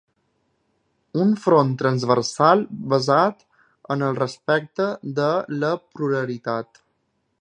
Un front transversal, basat en el respecte de la pluralitat.